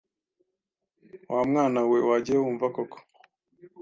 Wa mwana we wagiye wumva koko